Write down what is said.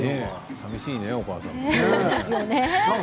さみしいね、お母さんも。